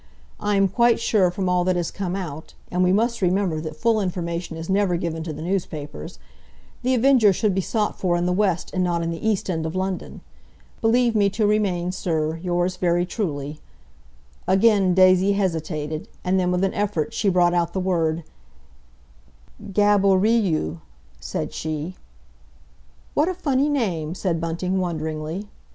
I am quite sure from all that has come out—and we must remember that full information is never given to the newspapers—The Avenger should be sought for in the West and not in the East End of London—Believe me to remain, Sir, yours very truly—" Again Daisy hesitated, and then with an effort she brought out the word "Gab o ri you," said she. "What a funny name!" said Bunting wonderingly.